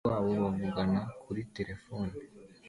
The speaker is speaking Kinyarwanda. iruhande rwabo bavugana kuri terefone